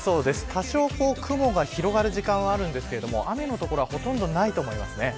多少雲が広がる時間帯はあるんですけど雨の所はほとんどないと思います。